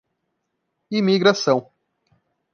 Imigração